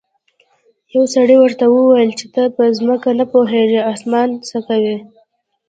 یو سړي ورته وویل چې ته په ځمکه نه پوهیږې اسمان څه کوې.